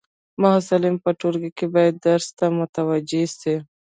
محصلین په ټولګی کي باید درس ته متوجي سي.